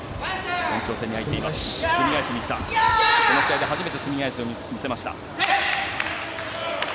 この試合で始めてすみ返しを見せました。